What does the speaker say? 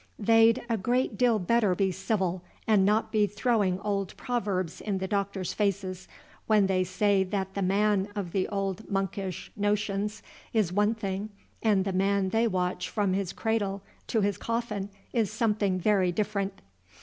They'd a great deal better be civil, and not be throwing old proverbs in the doctors' faces, when they say that the man of the old monkish notions is one thing and the man they watch from his cradle to his coffin is something very different."